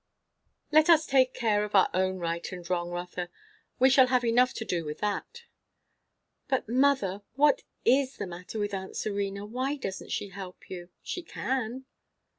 "Let us take care of our own right and wrong, Rotha. We shall have enough to do with that." "But, mother, what is the matter with aunt Serena? Why doesn't she help you? She can."